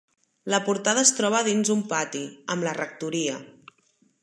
La portada es troba dins un pati, amb la rectoria.